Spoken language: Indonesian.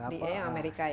daa yang amerika ya